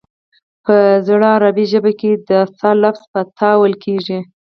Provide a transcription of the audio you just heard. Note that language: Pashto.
په زړه عربي ژبه کې د ث لفظ په ت ویل کېږي